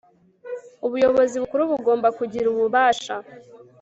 ubuyobozi bukuru bugomba kugira ububasha